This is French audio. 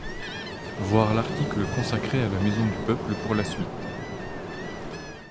Voir l'article consacré à la Maison du Peuple pour la suite...